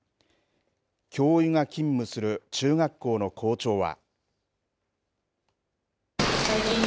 教諭が勤務する中学校の校長は。